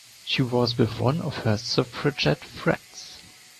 She was with one of her suffragette friends.